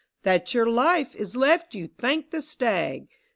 " That your life is left you, thank the stag